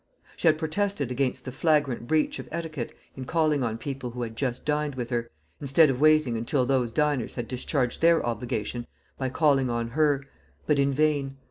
She had protested against the flagrant breach of etiquette in calling on people who had just dined with her, instead of waiting until those diners had discharged their obligation by calling on her; but in vain.